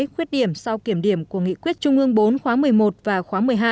khuyết điểm sau kiểm điểm của nghị quyết trung ương bốn khóa một mươi một và khóa một mươi hai